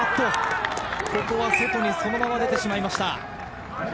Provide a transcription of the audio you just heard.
ここは外にそのまま出てしまいました。